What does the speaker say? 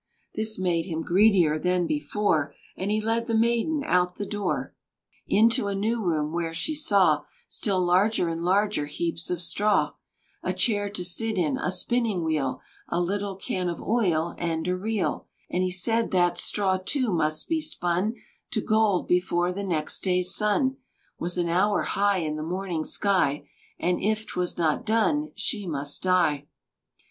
This made him greedier than before; And he led the maiden out at the door Into a new room, where she saw Still larger and larger heaps of straw, A chair to sit in, a spinning wheel, A little can of oil, and a reel; And he said that straw, too, must be spun To gold before the next day's sun Was an hour high in the morning sky, And if 'twas not done, she must die.